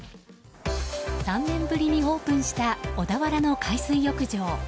３年ぶりにオープンした小田原の海水浴場。